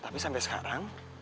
tapi sampe sekarang